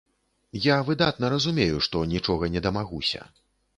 Я выдатна разумею, што нічога не дамагуся.